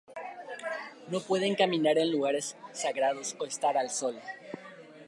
No pueden caminar en lugares sagrados o estar al sol.